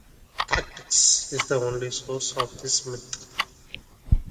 Tacitus is the only source of these myths.